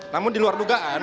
namun di luar dugaan